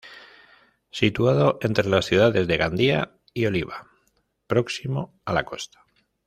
Situado entre las ciudades de Gandía y Oliva, próximo a la costa.